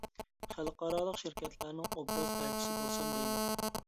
خەلقئارالىق شىركەتلەرنىڭ ئوبراز ئەلچىسى بولسام دەيمەن.